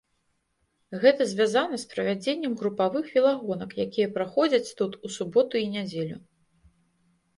Гэта звязана з правядзеннем групавых велагонак, якія праходзяць тут у суботу і нядзелю.